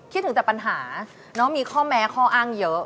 คิดถึงแต่ปัญหาน้องมีข้อแม้ข้ออ้างเยอะ